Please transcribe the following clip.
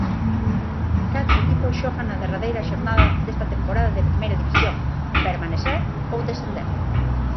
Catro equipos xogan na derradeira xornada desta temporada de Primeira División permanecer ou descender.